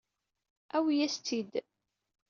Awi-as-tt-id.